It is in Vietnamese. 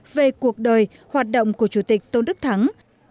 về cuộc đời hoạt động của chủ tịch tôn đức thắng